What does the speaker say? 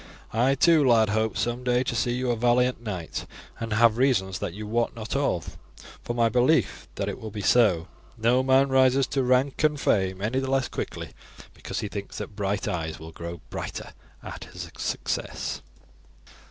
I too, lad, hope some day to see you a valiant knight, and have reasons that you wot not of, for my belief that it will be so. No man rises to rank and fame any the less quickly because he thinks that bright eyes will grow brighter at his success."